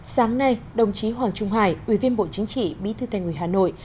sáng nay đồng chí hoàng trung hải ủy viên bộ chính trị bí thư tây nguyên hà nội